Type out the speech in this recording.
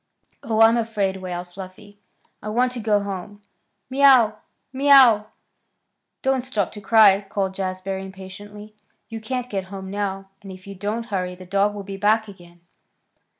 "Oh, I'm afraid!" wailed Fluffy. "I want to go home. Mew! Mew!" "Don't stop to cry," called Jazbury impatiently. "You can't get home now, and if you don't hurry the dog will be back again."